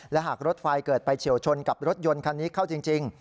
และหากรถไฟเกิดไปเฉียวชนกับรถยนต์คันนี้เข้าจริง